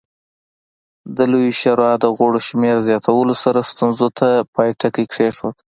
د لویې شورا د غړو شمېر زیاتولو سره ستونزې ته پای ټکی کېښود